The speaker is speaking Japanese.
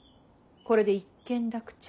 これで一件落着。